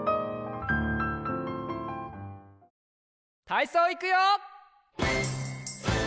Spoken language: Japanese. たいそういくよ！